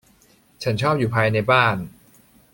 ฉันชอบอยู่ภายในบ้าน